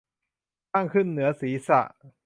ข้างขึ้นเหนือศีรษะ